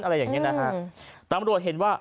อะไรอย่างเงี้นะฮะตำรวจเห็นว่า